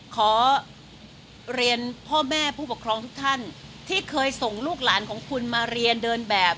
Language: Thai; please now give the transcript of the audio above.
ขอเรียนพ่อแม่ผู้ปกครองทุกท่านที่เคยส่งลูกหลานของคุณมาเรียนเดินแบบ